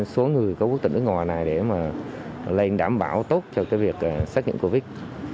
số người có quốc tịch nước ngoài này để mà lên đảm bảo tốt cho việc xét nghiệm covid